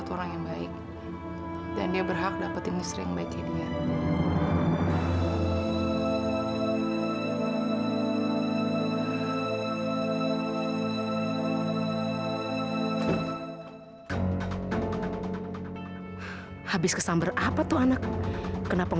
sampai jumpa di video selanjutnya